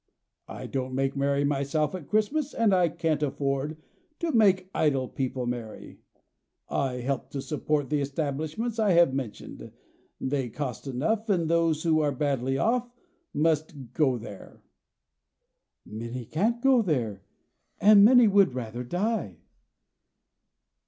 I don't make merry myself at Christmas, and I can't afford to make idle people merry. I help to support the establishments I have mentioned they cost enough; and those who are badly off must go there." "Many can't go there; and many would rather die."